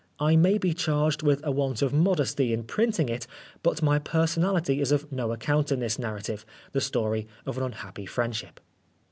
I may be charged with a want of modesty in printing it, but my personality is of no account in this narrative, the story of an unhappy friendship.